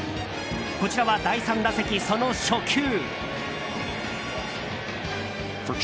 こちらは第３打席、その初球。